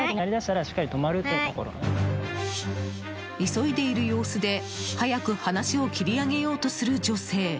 急いでいる様子で早く話を切り上げようとする女性。